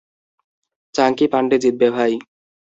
চাঙ্কি পান্ডে জিতবে ভাই।